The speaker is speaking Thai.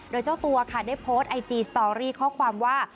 โดยเจ้าตัวค่ะได้โพสต์ไอจีสตอรี่ข้อความว่า